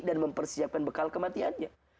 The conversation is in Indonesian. dan mempersiapkan bekal kematiannya